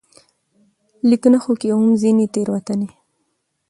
ليکنښو کې هم ځينې تېروتنې